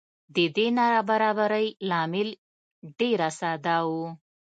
د دې نابرابرۍ لامل ډېره ساده و.